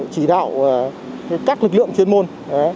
chỉ đạo các lực lượng chuyên môn